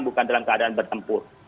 bukan dalam keadaan bertempur